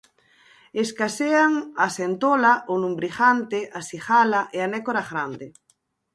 Escasean a centola, o lumbrigante, a cigala e a nécora grande.